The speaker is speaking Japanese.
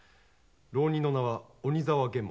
浪人の名は鬼沢玄馬。